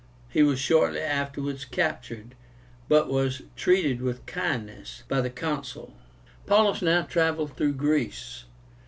He was shortly afterwards captured, but was treated with kindness by the Consul. Paullus now travelled through Greece.